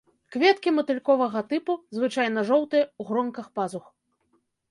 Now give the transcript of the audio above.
Кветкі матыльковага тыпу, звычайна жоўтыя, у гронках пазух.